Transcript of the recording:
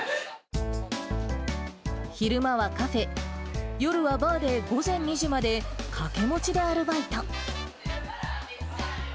昼間はカフェ、夜はバーで午前２時までかけもちでアルバイト。